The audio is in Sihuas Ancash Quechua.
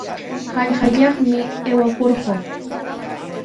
Hallqayaqmi aywakurquu.